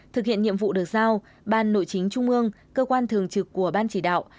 thực hiện nhiệm vụ được giao ban nội chính trung ương cơ quan thường trực của ban chỉ đạo